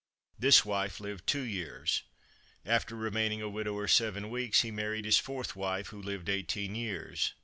This wife lived two years. After remaining a widower seven weeks, he married his fourth wife, who lived eighteen years.